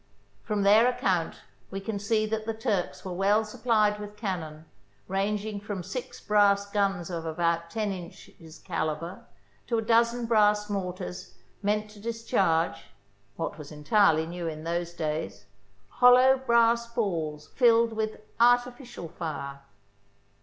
From their account we can see that the Turks were well supplied with can non, ranging from six brass guns of about ten inches calibre to a dozen brass mortars meant to dis charge — what was entirely new in those days — hol low brass balls filled with " artificial fire."